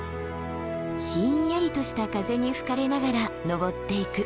ひんやりとした風に吹かれながら登っていく。